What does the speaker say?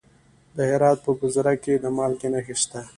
د هرات په ګذره کې د مالګې نښې شته.